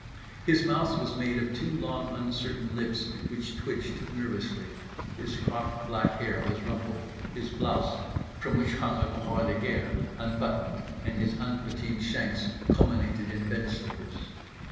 His mouth was made of two long uncertain lips which twitched nervously. His cropped black hair was rumpled; his blouse, from which hung a croix de guerre, unbuttoned; and his unputteed shanks culminated in bed slippers.